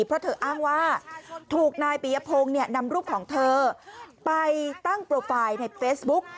เพราะเธออ้างว่าถูกนายปียพงศ์นำรูปของเธอไปตั้งโปรไฟล์ในเฟซบุ๊ก